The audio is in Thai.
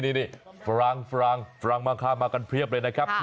นี่ฟรางฟรางมากันเภียบเลยนี่ครบ